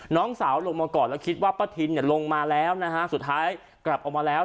น้องสาวลงมาก่อนแล้วคิดว่าป้าทินเนี่ยลงมาแล้วนะฮะสุดท้ายกลับออกมาแล้ว